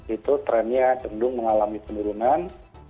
itu trennya cenderung mengalami penurunan